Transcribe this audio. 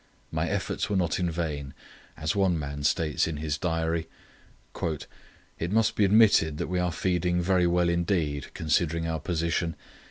My efforts were not in vain, as one man states in his diary: "It must be admitted that we are feeding very well indeed, considering our position.